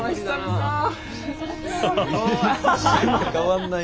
変わんないね。